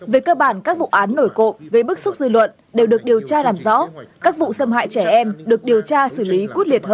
về cơ bản các vụ án nổi cộng gây bức xúc dư luận đều được điều tra làm rõ các vụ xâm hại trẻ em được điều tra xử lý quyết liệt hơn